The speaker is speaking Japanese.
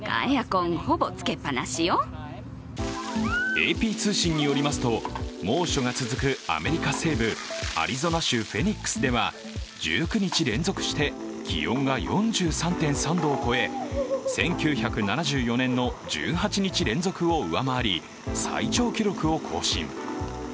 ＡＰ通信によりますと、猛暑が続くアメリカ西部アリゾナ州フェニックスでは、１９日連続して気温が４３．３度を超え１９７４年の１８日連続を上回り最長記録を更新。